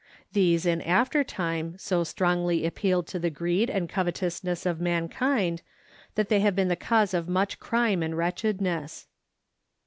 These in after time so strongly appealed to the greed and covetousness of mankind that they have been the cause of much crime and wretchedness.